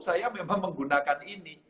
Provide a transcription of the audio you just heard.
saya memang menggunakan ini